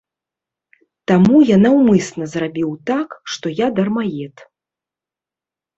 Таму я наўмысна зрабіў так, што я дармаед.